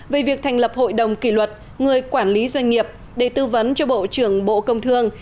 về việc thành lập hội đồng kỷ luật người quản lý doanh nghiệp để tư vấn cho bộ trưởng bộ công thương